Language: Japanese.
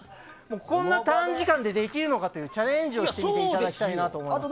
こんな短時間でできるのかというチャレンジをしていただきたいと思います。